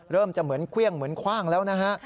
เริ่มจะเหมือนเครื่องเหมือนคว่างแล้วนะฮะ